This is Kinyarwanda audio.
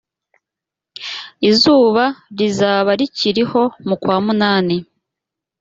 izuba rizaba rikiriho mukwa munani.